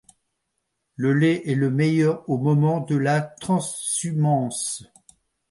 Le lait est meilleur au moment de la transhumance.